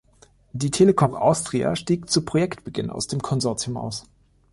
Die Telekom Austria stieg zu Projektbeginn aus dem Konsortium aus.